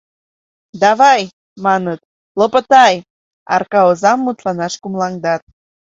— Давай, — маныт, — лопотай, — арака озам мутланаш кумылаҥдат.